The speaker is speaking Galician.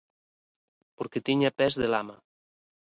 Porque tiña pés de lama.